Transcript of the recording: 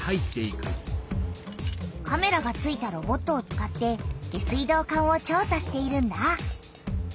カメラがついたロボットを使って下水道管を調さしているんだ。